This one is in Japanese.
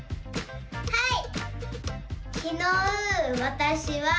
はい！